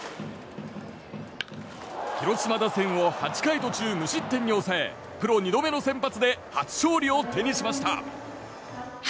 広島打線を８回途中無失点に抑えプロ２度目の先発で初勝利を手にしました。